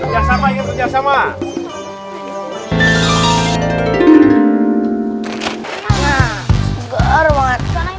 nah seger banget